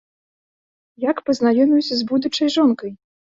Як пазнаёміўся з будучай жонкай?